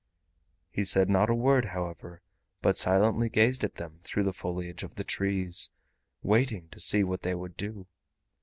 He said not a word, however, but silently gazed at them through the foliage of the trees, waiting to see what they would do.